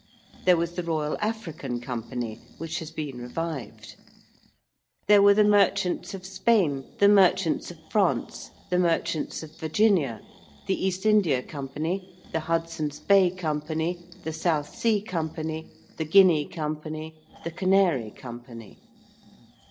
There was the Royal African Company, which has been revived. There were the Merchants of Spain: the Merchants of France: the Merchants of Virginia: the East India Company: the Hudson's Bay Company: the South Sea Company: the Guinea Company: the Canary Company.